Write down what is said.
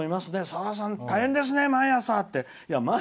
さださん大変ですね、毎朝！